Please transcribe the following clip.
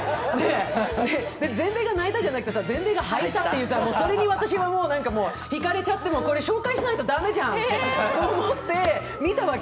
全米が泣いたじゃなくて、全米がはいたっていう、それに私はひかれちゃって、これ、紹介しないと駄目じゃんと思って見たわけ。